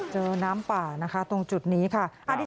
เจอน้ำปลาตรงจุดนี้ค่ะ